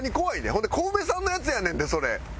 ほんでコウメさんのやつやねんって。